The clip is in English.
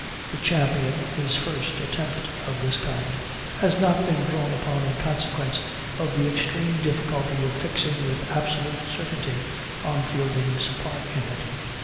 The Champion, his first attempt of this kind, has not been drawn upon in consequence of the extreme difficulty of fixing with absolute certainty on Fielding's part in it.